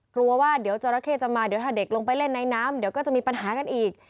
กลัวว่าเดี๋ยวจราเข้จะมาเดี๋ยวถ้าเด็กลงไปเล่นในน้ำเดี๋ยวก็จะมีปัญหากันอีก